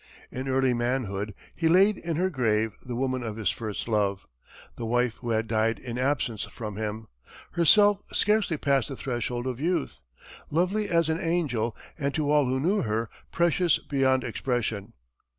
In early manhood he laid in her grave the woman of his first love, the wife who had died in absence from him, herself scarcely past the threshold of youth, lovely as an angel and to all who knew her precious beyond expression.